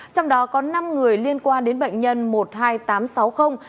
trong đó có năm người liên quan đến bệnh nhân một mươi hai nghìn tám trăm sáu mươi